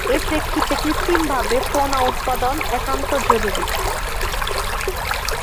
এ প্রেক্ষিতে কৃত্রিমভাবে পোনা উৎপাদন একান্ত জরুরি।